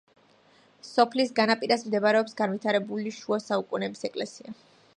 სოფლის განაპირას მდებარეობს განვითარებული შუა საუკუნეების ეკლესია.